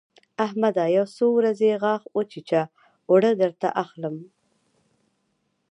احمده! يو څو ورځې غاښ وچيچه؛ اوړه درته اخلم.